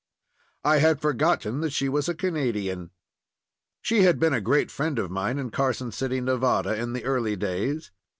I had forgotten that she was a Canadian." She had been a great friend of mine in Carson City, Nevada, in the early days.